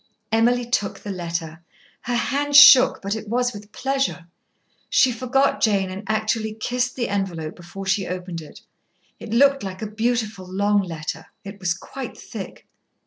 Emily took the letter. Her hand shook, but it was with pleasure. She forgot Jane, and actually kissed the envelope before she opened it. It looked like a beautiful, long letter. It was quite thick.